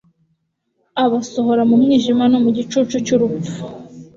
abasohora mu mwijima no mu gicucu cy'urupfu